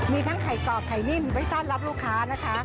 มีทั้งไข่กรอบไข่นิ่มไว้ต้อนรับลูกค้านะคะ